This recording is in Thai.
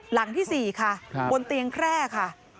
หลังที่๔ค่ะบนเตียงแคร่ค่ะ